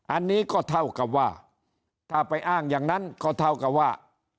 อันนี้ก็เท่ากับว่าถ้าไปอ้างอย่างนั้นก็เท่ากับว่า